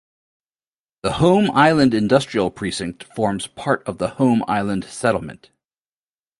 The Home Island Industrial Precinct forms part of the Home Island settlement.